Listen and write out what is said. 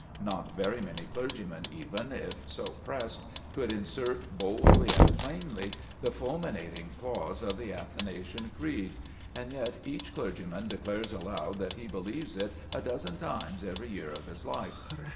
Not very many clergymen even, if so pressed, would insert boldly and plainly the fulminating clause of the Athanasian Creed; and yet each clergyman declares aloud that he believes it a dozen times every year of his life.